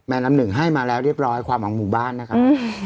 น้ำหนึ่งให้มาแล้วเรียบร้อยความหวังหมู่บ้านนะครับ